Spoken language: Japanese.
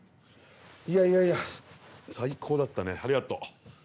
いやいやいや最高だったねありがとう。